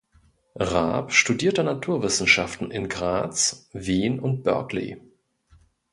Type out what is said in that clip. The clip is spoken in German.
Raab studierte Naturwissenschaften in Graz, Wien und Berkeley.